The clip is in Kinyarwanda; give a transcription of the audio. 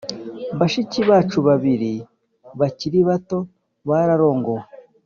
Bashiki bacu babiri bakiri bato bararongowe